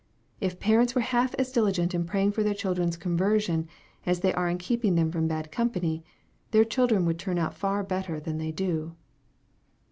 If parents were half as diligent in praying for their children's conversion as they are in keeping them from bad company, their children would turn out far better than they do.